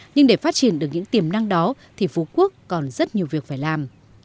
nhưng để phát triển được những tiềm năng đó thì phú quốc còn rất nhiều việc phải làm